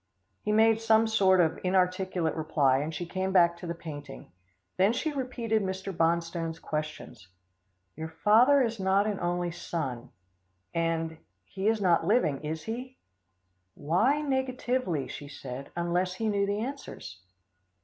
He made some sort of an inarticulate reply, and she came back to the painting. Then she repeated Mr. Bonstone's questions. "Your father is not an only son," and "He is not living, is he?" "Why negatively," she said, "unless he knew the answers?